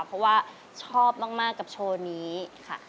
เพราะว่าชอบมากกับโชว์นี้ค่ะ